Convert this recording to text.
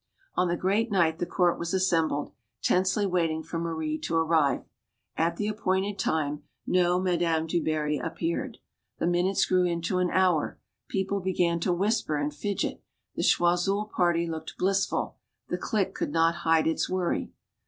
On the great night, the court was assembled, tensely waiting for Marie to arrive. At the appointed time no Madame du Barry appeared. The minutes grew into an hour; people began to whisper and fidget; the Choiseul party looked blissful; the clique could not hide its worry.